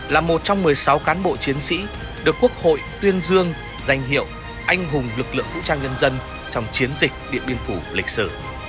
là một trong một mươi sáu cán bộ chiến sĩ được quốc hội tuyên dương danh hiệu anh hùng lực lượng vũ trang nhân dân trong chiến dịch điện biên phủ lịch sử